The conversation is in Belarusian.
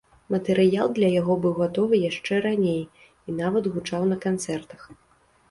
Матэрыял для яго быў гатовы яшчэ раней і, нават, гучаў на канцэртах.